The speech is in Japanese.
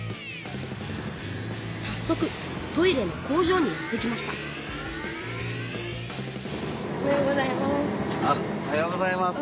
さっそくトイレの工場にやって来ましたおはようございます。